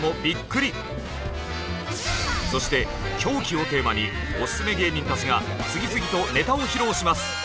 そして「狂気」をテーマにオススメ芸人たちが次々とネタを披露します。